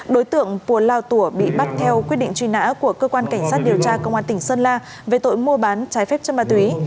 đối tượng pùa lao tùa bị bắt theo quyết định truy nã của cơ quan cảnh sát điều tra công an tỉnh sơn la về tội mua bán trái phép chất ma túy